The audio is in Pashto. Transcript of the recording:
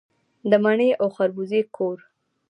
د مڼې او خربوزې کور.